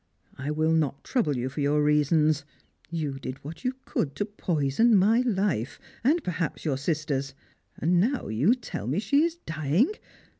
" I will not trouble you for your reasons. You did what you could to poison my life, and perhaps your sister's. And now you tell me she is dying.